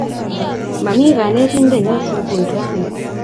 Mami kanetindenyo sukul rani